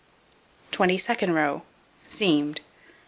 Twenty second row: Seamed.